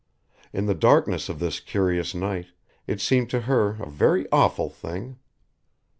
In the darkness of this curious night it seemed to her a very awful thing.